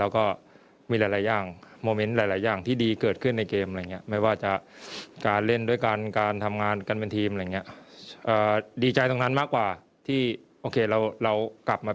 ขอดีครับ